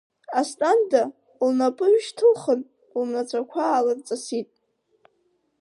Асҭанда, лнапы ҩышьҭылхын, лнацәақәа аалырҵасит.